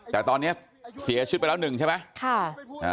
แต่ตอนนี้เสียชีวิตไปแล้วหนึ่งใช่ไหม